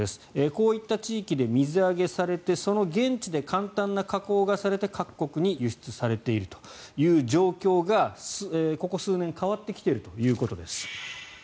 こういった地域で水揚げされてその現地で簡単な加工がされて各国に輸出されているという状況がここ数年、変わってきているということです。